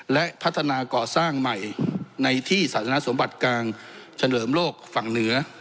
และพัฒนาก่อสร้างใหม่ในที่ศาสนสมบัติกลางเฉลิมโลกฝั่งเหนือ